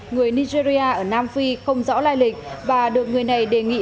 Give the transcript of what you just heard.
người nigeria ở nam phi không rõ lai lịch và được người này đề nghị